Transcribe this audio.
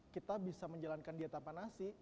kita bisa menjalankan diet tanpa nasi